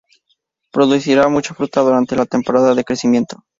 Producirá mucha fruta durante la temporada de crecimiento.